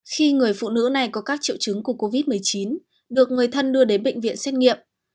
khi người phụ nữ này có các triệu chứng của covid một mươi chín được người thân đưa đến bệnh viện xét nghiệm